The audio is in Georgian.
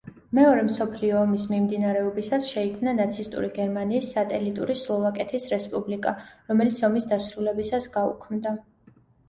მეორე მსოფლიო ომის მიმდინარეობისას, შეიქმნა ნაცისტური გერმანიის სატელიტური სლოვაკეთის რესპუბლიკა, რომელიც ომის დასრულებისას გაუქმდა.